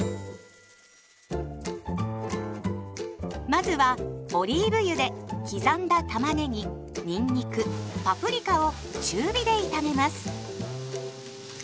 まずはオリーブ油で刻んだたまねぎにんにくパプリカを中火で炒めます。